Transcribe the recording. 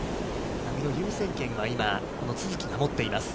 波の優先権は今、この都筑が持っています。